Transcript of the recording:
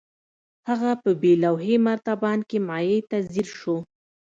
هغه په بې لوحې مرتبان کې مايع ته ځير شو.